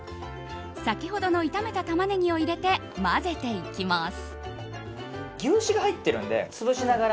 先ほどの炒めたタマネギを入れて混ぜていきます。